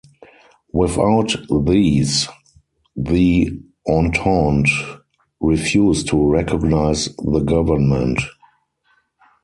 Without these, the Entente refused to recognise the government.